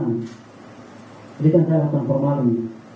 jadi kan saya lakukan formalin